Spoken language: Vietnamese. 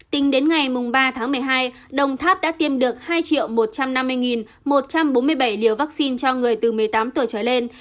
tính đến ngày ba tháng một mươi hai đồng tháp đã tiêm được hai một trăm năm mươi một trăm bốn mươi bảy liều vaccine cho người từ một mươi tám tuổi trở lên